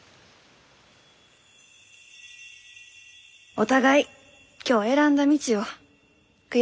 お互い今日選んだ道を悔やまんこと。